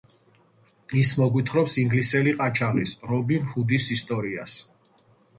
ის მოგვითხრობს ინგლისელი ყაჩაღის რობინ ჰუდის ისტორიას.